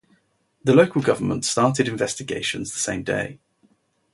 The local government started investigations the same day.